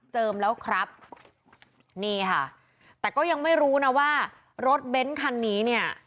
แล้วครับนี่ค่ะแต่ก็ยังไม่รู้นะว่ารถเบ้นคันนี้เนี่ย